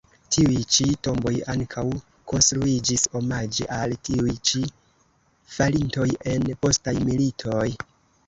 Tiuj ĉi tomboj ankaŭ konstruiĝis omaĝe al tiuj ĉi falintoj en postaj militoj.